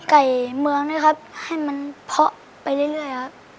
ไก่เมืองด้วยครับให้มันเพาะไปเรื่อยครับ